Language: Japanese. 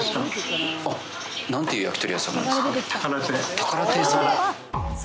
宝亭さん？